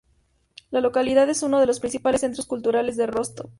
La localidad es uno de los principales centros culturales de Rostov.